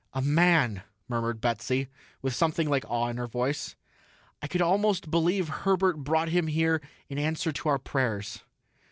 "A man!" murmured Betsy, with something like awe in her voice. "I could almost believe Herbert brought him here in answer to our prayers."